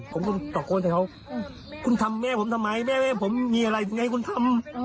ผมก็ตะโกนให้เขาคุณทำแม่ผมทำไมแม่ผมมีอะไรไงคุณทำ